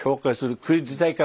クイズ大会？